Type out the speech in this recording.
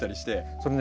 それね